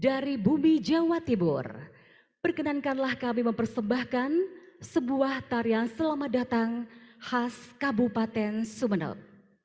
dari bumi jawa tibur perkenankanlah kami mempersembahkan sebuah tarian selamat datang khas kabupaten sumeneb